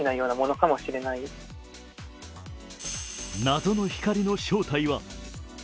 謎の光の正体は？